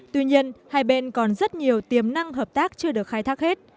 tuy nhiên hai bên còn rất nhiều tiềm năng hợp tác chưa được khai thác hết